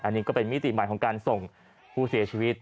อันนี้ก็เป็นมิติใหม่ของการส่งผู้เสียชีวิต